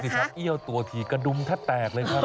ดูสิครับเอี่ยวตัวถี่กระดุมแทบแตกเลยครับ